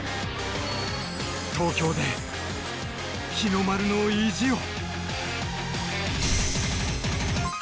東京で日の丸の意地を。